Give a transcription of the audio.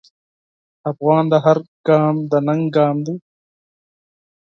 د افغان هر ګام د ننګ ګام دی.